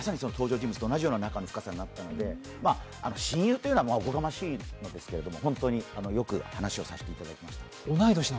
まさにその登場人物と同じような仲の深さになっていますので親友というのはおこがましいのですけど、本当によく話をさせていただきました。